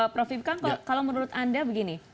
prof ikam kalau menurut anda begini